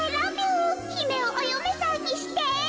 ひめをおよめさんにして。